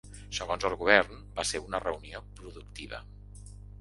Segons el govern, va ser una reunió productiva.